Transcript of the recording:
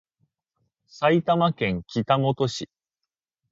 埼玉県北本市